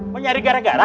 mau nyari gara gara